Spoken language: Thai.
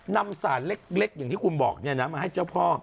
นำสารเล็กอย่างที่คุณบอกมาให้เจ้าพ่อ